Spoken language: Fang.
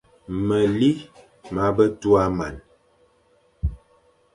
Meli ma be tua man,